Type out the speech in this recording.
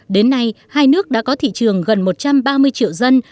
đến nay hai nước đã có thị trường gần một trăm ba mươi triệu dân